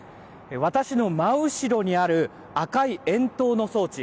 私の真後ろにある赤い円筒の装置